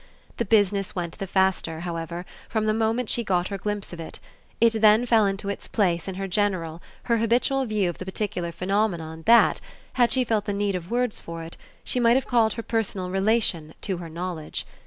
The business went the faster, however, from the moment she got her glimpse of it; it then fell into its place in her general, her habitual view of the particular phenomenon that, had she felt the need of words for it, she might have called her personal relation to her knowledge.